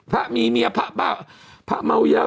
พะมีเมียพะเม้าเยอะนะ